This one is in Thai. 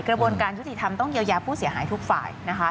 กระบวนการยุติธรรมต้องเยียวยาผู้เสียหายทุกฝ่าย